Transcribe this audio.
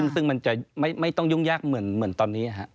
ซึ่งมันจะไม่ต้องยุ่งยากเหมือนตอนนี้